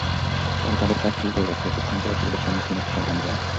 তারা তাদের কাজ ঠিকই করে যাচ্ছে, পক্ষান্তরে অসুবিধার সম্মুখীন হচ্ছে সাধারণ জনগণ।